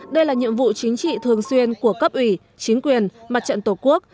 đây là nhiệm vụ chính trị thường xuyên của cấp ủy chính quyền mặt trận tổ quốc